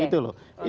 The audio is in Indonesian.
itu lebih baik